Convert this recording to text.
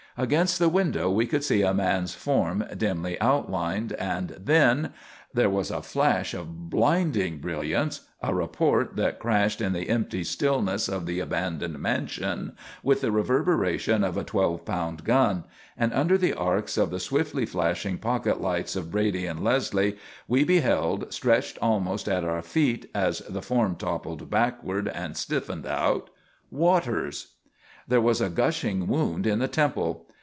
Against the window we could see a man's form dimly outlined. And then There was a flash of blinding brilliance, a report that crashed in the empty stillness of the abandoned mansion with the reverberation of a twelve pound gun, and under the arcs of the swiftly flashing pocket lights of Brady and Leslie, we beheld, stretched almost at our feet as the form toppled backward and stiffened out Waters! There was a gushing wound in the temple.